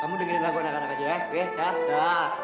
kamu dengerin lagu anak anak kecil ya ya